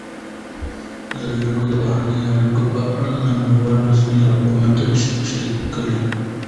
ازادي راډیو د بهرنۍ اړیکې په اړه د نړیوالو رسنیو راپورونه شریک کړي.